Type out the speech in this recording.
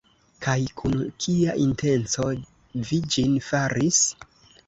Kaj kun kia intenco vi ĝin faris?